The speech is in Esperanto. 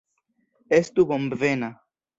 Estu bonvena!